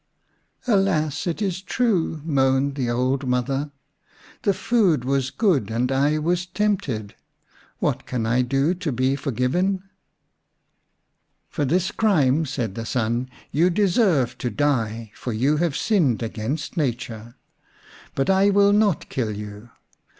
" Alas, it is true," moaned the old mother. " The food was good, and I was tempted. What can I do to be forgiven ?"" For this crime," said the son, " you deserve to die, for you have sinned against nature. But I will not kill you.